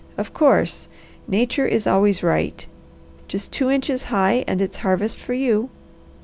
Of course! Nature is always right. Just two inches high and it's harvest for you.